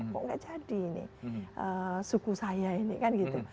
kok nggak jadi ini suku saya ini kan gitu